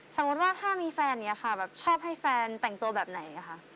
สมมติว่าถ้ามีแฟนเนี่ยค่ะชอบให้แฟนแต่งตัวแบบไหน